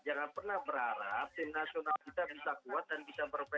jangan pernah berharap tim nasional kita bisa kuat dan bisa berpengaruh